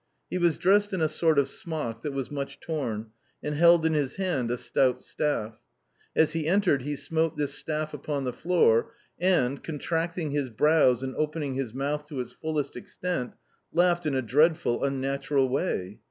He was dressed in a sort of smock that was much torn, and held in his hand a stout staff. As he entered he smote this staff upon the floor, and, contracting his brows and opening his mouth to its fullest extent, laughed in a dreadful, unnatural way.